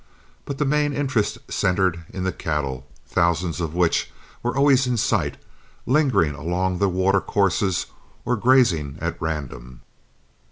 But the main interest centred in the cattle, thousands of which were always in sight, lingering along the watercourses or grazing at random.